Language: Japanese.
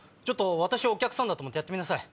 私をお客さんだと思ってやってみなさい。